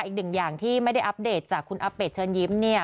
อีกหนึ่งอย่างที่ไม่ได้อัพเดทจากคุณอเบ็ดเชิญยิ้มเนี่ย